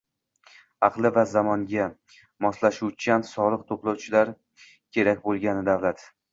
aqlli va zamonga moslashuvchan soliq to‘lovchilar kerak bo‘lgan davlat